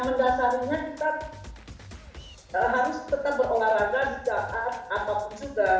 mendasarinya kita harus tetap berolahraga di saat apapun juga